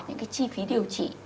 những cái chi phí điều trị